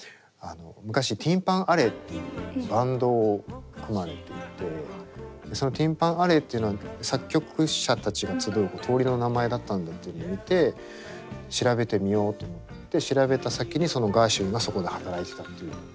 昔ティン・パン・アレーっていうバンドを組まれていてそのティン・パン・アレーっていうのは作曲者たちが集う通りの名前だったんだっていうのを見て調べてみようと思って調べた先にガーシュウィンがそこで働いてたっていう。